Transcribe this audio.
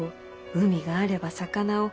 海があれば魚を。